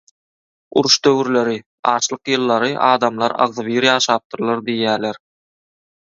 Uruş döwürleri, açlyk ýyllary adamlar agzybir ýaşapdyrlar diýýäler.